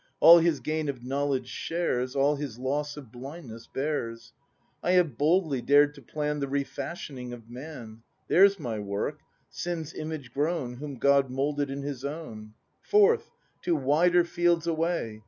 All his gain of knowledge shares. All his loss of blindness bears. I have boldly dared to plan The refashioning of Man, —— T here's my work, — Sin's image grown, Whom God moulded in His own. — Forth! to wider fields away!